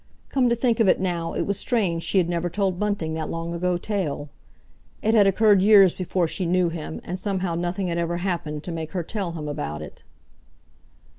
Come to think of it now, it was strange she had never told Bunting that long ago tale. It had occurred years before she knew him, and somehow nothing had ever happened to make her tell him about it.